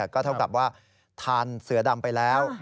ก็เท่ากับว่าทานเสือดำไปแล้ว